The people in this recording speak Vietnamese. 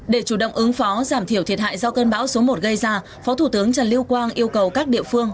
để chủ động ứng phó giảm thiểu thiệt hại do cơn bão số một gây ra phó thủ tướng trần lưu quang yêu cầu các địa phương